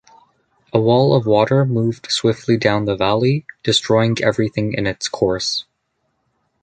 A wall of water moved swiftly down the valley, destroying everything in its course.